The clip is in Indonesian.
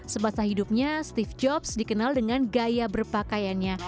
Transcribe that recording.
semasa hidupnya steve jobs dikenal dengan gaya berpakaiannya